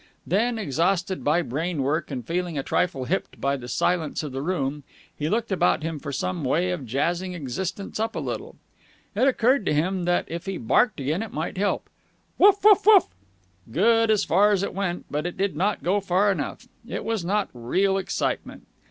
Then, exhausted by brain work and feeling a trifle hipped by the silence of the room, he looked about him for some way of jazzing existence up a little. It occurred to him that if he barked again it might help. "Woof woof woof!" Good as far as it went, but it did not go far enough. It was not real excitement.